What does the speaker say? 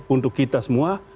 untuk kita semua